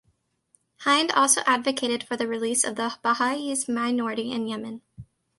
Hind also advocated for the release of the Baha’is minority in Yemen.